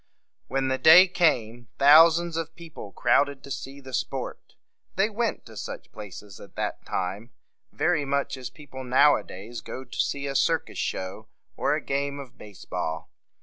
When the day came, thousands of people crowded to see the sport. They went to such places at that time very much as people now a days go to see a circus show or a game of base ball.